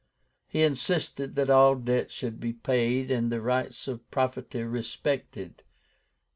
He insisted that all debts should be paid, and the rights of property respected.